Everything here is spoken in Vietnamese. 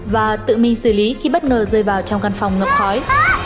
và tự mình xử lý khi bất ngờ rơi vào trong căn phòng ngậm khói